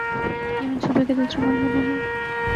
یہ منصوبے کا دوسرا مرحلہ ہے